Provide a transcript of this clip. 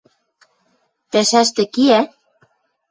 – Пӓшӓштӹ кеӓ?